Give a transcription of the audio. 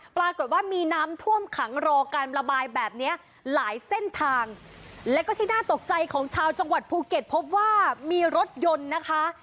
ปรากฏว่ามีน้ำท่วมขังรอการระบายแบบเนี้ยหลายเส้นทางแล้วก็ที่น่าตกใจของชาวจังหวัดภูเก็ตพบว่ามีรถยนต์นะคะ